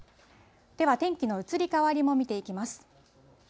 では天気の移り変わりも見ていきます。